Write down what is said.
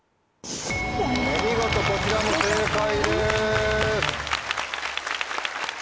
お見事こちらも正解です。